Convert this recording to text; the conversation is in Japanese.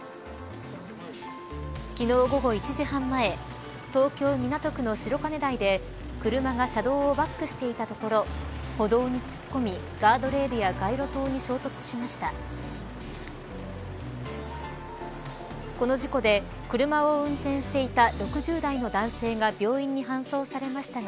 昨日午後１時半前東京、港区の白金台で車が車道をバックしていたところ歩道に突っ込みガードレールや街路灯に衝突しました。